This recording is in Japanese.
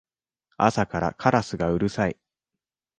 朝からカラスがうるさい